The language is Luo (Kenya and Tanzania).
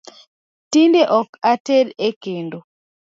Tinde ok ated e kendo